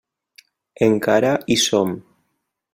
Encara hi som.